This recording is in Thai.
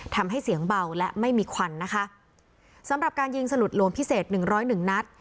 ทำให้เสียงเบาและไม่มีควันนะคะสำหรับการยิงสลุดหลวงพิเศษหนึ่งร้อยหนึ่งนัด